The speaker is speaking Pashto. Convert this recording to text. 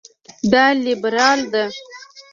دا لېبرال ده.